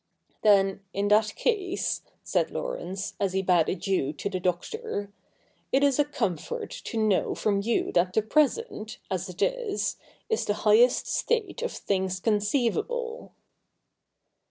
' Then in that case,' said Laurence, as he bade adieu to the Doctor, ' it is a comfort to know from you that the Present, as it is, is the highest state of things con ceivable.'